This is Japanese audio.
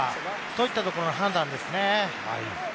そういったところの判断ですね。